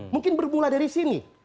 mungkin bermula dari sini